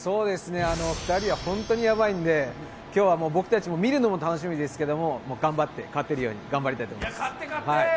２人は本当にやばいんで、今日は僕たちも、見るのも楽しみですけど、頑張って勝てるように頑張りたいです。